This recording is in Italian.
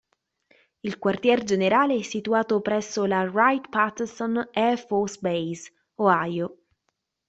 Il quartier generale è situato presso la Wright-Patterson Air Force Base, Ohio.